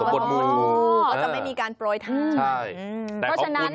ก็จะไม่มีการโปรยทานใช่แต่ของคุณเนี่ย